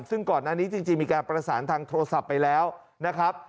ซึ่งก่อนหน้านี้จริงมีการประสานทางโทรศัพท์ไปแล้วนะครับ